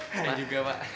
saya juga pak